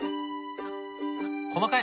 細かい。